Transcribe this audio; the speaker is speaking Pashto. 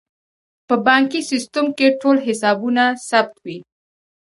په بانکي سیستم کې ټول حسابونه ثبت وي.